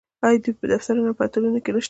آیا دوی په دفترونو او پوهنتونونو کې نشته؟